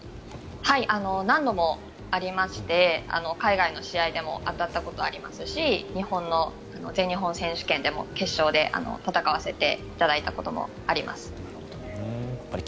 何度もありまして海外の試合でも当たったことありますし日本の全日本選手権でも決勝で戦わせていただいたこともあります。